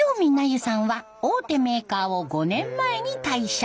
ゆさんは大手メーカーを５年前に退社。